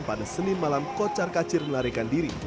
pada senin malam kocar kacir melarikan diri